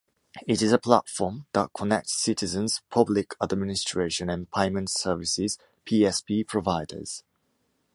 It is a platform that connects citizens, Public Administration and Payment Services (PSP) providers.